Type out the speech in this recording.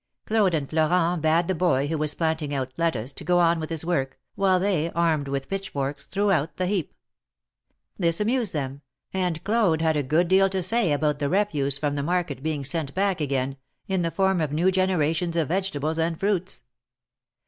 Claude and Florent bade THE MARKETS OF PARIS. 215 the boy, who was planting out lettuce, to go on with his work, while they, armed with pitchforks, threw out the heap. This amused them, and Claude had a good deal to say about the refuse from the market being sent bad: again, in the form of new generations of vegetables and fruits.